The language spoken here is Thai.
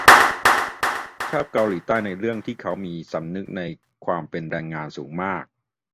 ชอบเกาหลีใต้ในเรื่องที่เค้ามีสำนึกในความเป็นแรงงานสูงมาก